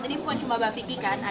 jadi bukan cuma mbak vicky kan